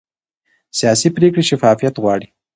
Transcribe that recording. سیاسي پرېکړې شفافیت غواړي